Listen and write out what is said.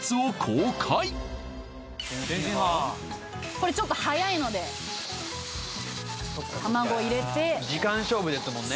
これちょっとはやいので卵入れて時間勝負ですもんね